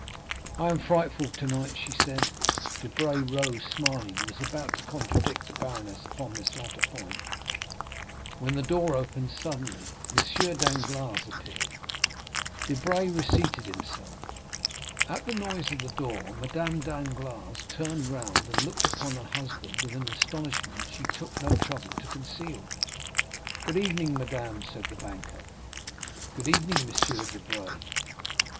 "I am frightful tonight," she said. Debray rose, smiling, and was about to contradict the baroness upon this latter point, when the door opened suddenly. M. Danglars appeared; Debray reseated himself. At the noise of the door Madame Danglars turned round, and looked upon her husband with an astonishment she took no trouble to conceal. "Good evening, madame," said the banker; "good evening, M. Debray."